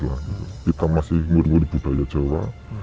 kita masih nguri nguri budaya jawa